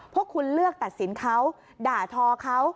พวกคุณเลือกตัดสินเขาด่าทอเขา